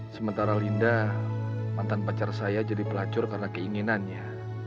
sementara linda mantan pacar saya jadi pelacur karena keinginannya